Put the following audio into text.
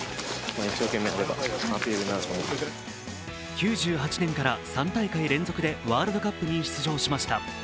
９８年から３大会連続でワールドカップに出場しました。